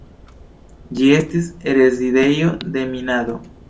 Ĝi estis rezidejo de minado.